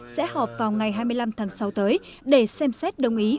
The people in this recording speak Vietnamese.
sẽ họp vào ngày hai mươi năm tháng sáu tới để xem xét đồng ý